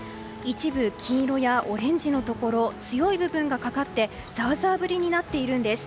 一部黄色やオレンジのところ強い部分がかかってザーザー降りになっているんです。